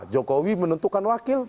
jokowi menentukan wakil